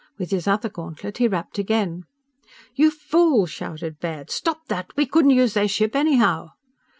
With his other gauntlet he rapped again. "You fool!" shouted Baird. "Stop that! We couldn't use their ship, anyhow!"